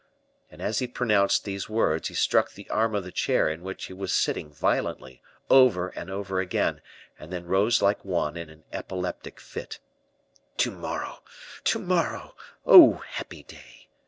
and as he pronounced these words, he struck the arm of the chair in which he was sitting violently, over and over again, and then rose like one in an epileptic fit. "To morrow! to morrow! oh, happy day!"